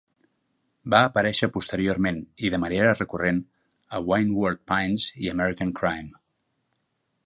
Va aparèixer posteriorment i de manera recurrent a "Wayward Pines" i "American Crime".